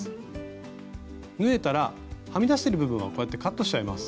縫えたらはみ出してる部分はこうやってカットしちゃいます。